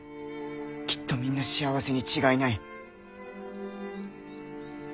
きっとみんな幸せに違いない。